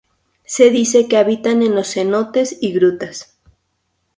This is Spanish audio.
Se dice que habitan en los cenotes y grutas.